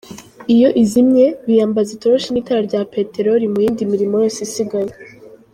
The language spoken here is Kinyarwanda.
Iyo izimye, biyambaza itoroshi n’itara rya Peteroli mu yindi mirimo yose isigaye.